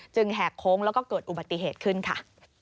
แหกโค้งแล้วก็เกิดอุบัติเหตุขึ้นค่ะ